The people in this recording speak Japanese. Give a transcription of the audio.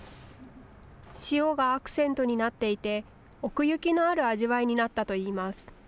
塩がアクセントになっていて奥行きのある味わいになったといいます。